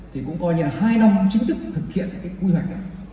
thì cũng coi như là hai năm chính thức thực hiện cái quy hoạch này